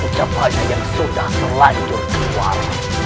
ucapan yang sudah selanjut keluar